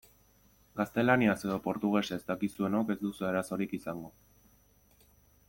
Gaztelaniaz edo portugesez dakizuenok ez duzue arazorik izango.